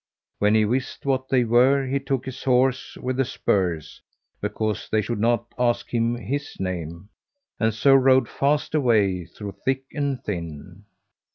When he wist what they were he took his horse with the spurs, because they should not ask him his name, and so rode fast away through thick and thin.